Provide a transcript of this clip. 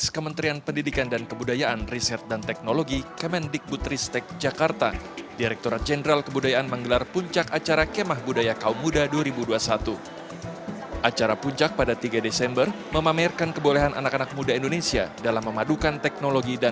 kementerian pendidikan dan kebudayaan riset dan teknologi